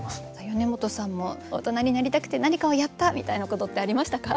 米本さんも大人になりたくて何かをやったみたいなことってありましたか？